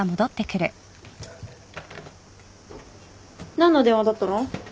何の電話だったの？